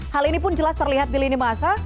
hal ini pun jelas terlihat di lini masa